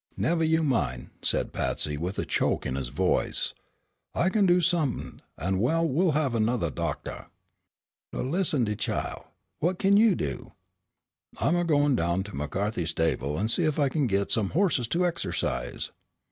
"Nevah you min'," said Patsy with a choke in his voice. "I can do somep'n', an' we'll have anothah doctah." "La, listen at de chile; what kin you do?" "I'm goin' down to McCarthy's stable and see if I kin git some horses to exercise."